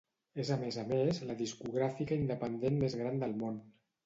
És a més a més la discogràfica independent més gran del món.